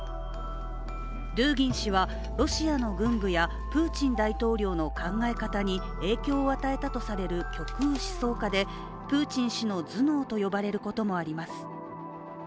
ドゥーギン氏はロシアの軍部やプーチン大統領の考え方に影響を与えたとされる極右思想家でプーチン氏の頭脳と呼ばれることもあります。